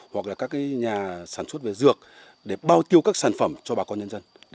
hoặc là các nhà sản xuất về dược để bao tiêu các sản phẩm cho bà con nhân dân